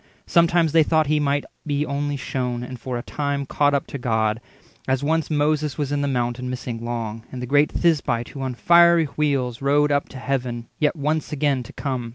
Sometimes they thought he might be only shewn, And for a time caught up to God, as once Moses was in the Mount and missing long, And the great Thisbite, who on fiery wheels Rode up to Heaven, yet once again to come.